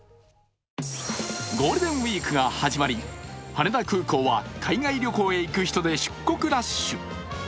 ゴールデンウイークが始まり羽田空港は海外旅行に行く人で出国ラッシュ。